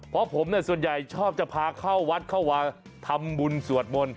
เพราะผมส่วนใหญ่ชอบจะพาเข้าวัดเข้ามาทำบุญสวดมนต์